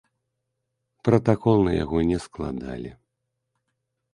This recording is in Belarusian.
Пратакол на яго не складалі.